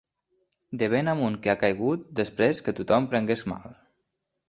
De ben amunt que ha caigut, després que tothom prengués mal.